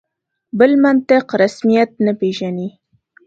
بل منطق رسمیت نه پېژني.